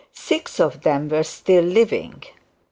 Six of them were still living.